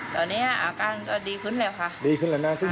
ตอนนี้อาการก็ดีขึ้นเลยค่ะ